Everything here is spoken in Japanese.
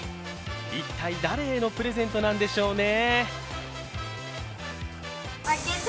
一体、誰へのプレゼントなんでしょうね。